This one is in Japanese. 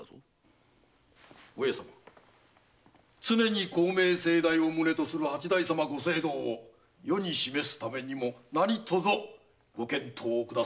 上様常に公明正大を旨とする八代様ご政道を世に示すためにも何卒ご検討くださりまするよう。